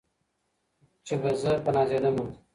چي به زه په نازېدمه